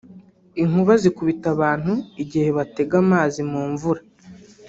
Inkuba zikubita abantu igihe batega amazi mu mvura